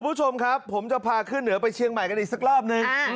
คุณผู้ชมครับผมจะพาขึ้นเหนือไปเชียงใหม่กันอีกสักรอบนึง